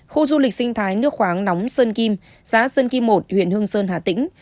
khu du lịch sinh thái nước khoáng nóng sơn kim xã sơn kim một huyện hương sơn hà tĩnh